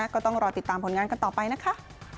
ก็ต้องรอติดตามผลงานกันต่อไปนะคะ